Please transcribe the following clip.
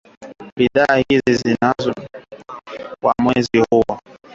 Bidhaa hizi zikiwa za thamani ya dola milioni mia saba arobaini na tatu kwa mwezi huo.